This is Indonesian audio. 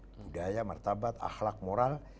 kebijakan martabat akhlak moral